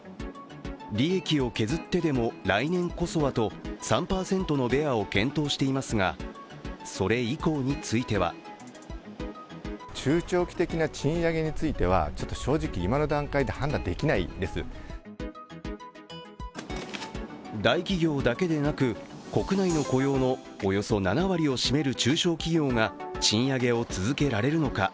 利益を削ってでも来年こそはと３％のベアを検討していますがそれ以降については大企業だけでなく、国内の雇用のおよそ７割を占める中小企業が賃上げを続けられるのか。